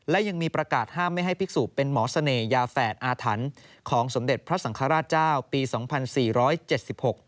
และยังมีประกาศห้ามไม่ให้พิกษุเป็นหมอเสน่ห์ยาแฝดอาถรรค์ของสมเด็จพระสังฆราชเจ้าปี๒๔๗๖